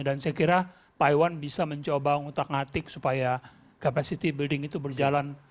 dan saya kira pak iwan bisa mencoba ngutak ngatik supaya capacity building itu berjalan